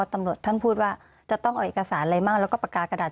ตำรวจท่านพูดว่าจะต้องเอาเอกสารอะไรบ้างแล้วก็ปากกากระดาษ